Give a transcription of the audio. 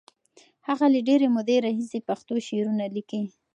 هغه له ډېرې مودې راهیسې پښتو شعرونه لیکي.